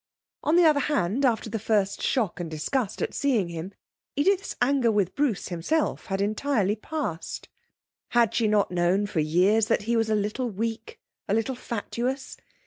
On the other hand, after the first shock and disgust at seeing him, Edith's anger with Bruce himself had entirely passed. Had she not known, for years, that he was a little weak, a little fatuous?